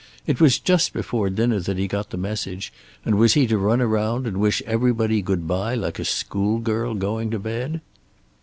It was just before dinner that he got the message, and was he to run round and wish everybody good bye like a schoolgirl going to bed?"